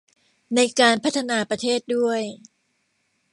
ในการพัฒนาประเทศด้วย